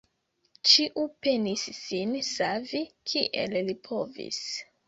Ĉiu penis sin savi, kiel li povis.